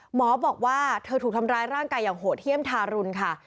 หมอบอกว่าเธอถูกทำร้ายร่างกายอย่างโหดเยี่ยมทารุณค่ะ